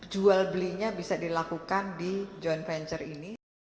jual belinya bisa dilakukan di joint venture ini